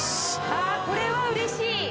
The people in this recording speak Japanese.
あこれはうれしい。